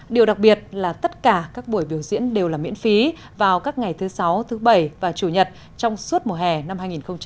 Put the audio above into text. điều đặc biệt là tất cả các buổi biểu diễn đều là miễn phí vào các ngày thứ sáu thứ bảy và chủ nhật trong suốt mùa hè năm hai nghìn hai mươi